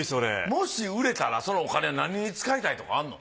もし売れたらそのお金何に使いたいとかあるの？